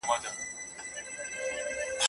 چا له وهمه ورته سپوڼ نه سو وهلای